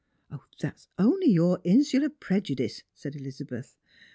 " That is only your insular prejudice," said Elizabeth.